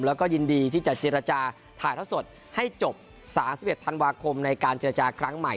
แล้วก็ยินดีที่จะเจรจาถ่ายท่อสดให้จบ๓๑ธันวาคมในการเจรจาครั้งใหม่